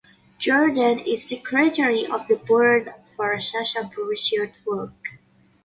Jordan is secretary of the board for Sasha Bruce Youthwork.